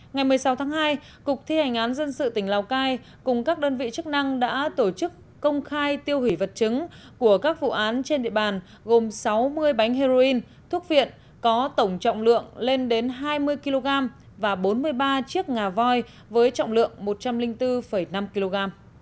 ngày một mươi sáu tháng hai cục thi hành án dân sự tỉnh lào cai cùng các đơn vị chức năng đã tổ chức công khai tiêu hủy vật chứng của các vụ án trên địa bàn gồm sáu mươi bánh heroin thuốc viện có tổng trọng lượng lên đến hai mươi kg và bốn mươi ba chiếc ngà voi với trọng lượng một trăm linh bốn năm kg